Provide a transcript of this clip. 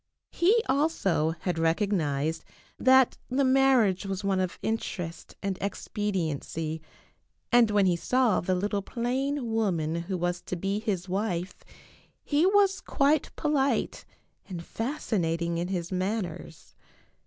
He also had recognized that the marriage was one of interest and expediency, and when he saw the little plain woman who was to be his wife he was quite polite and fasci nating in his manners.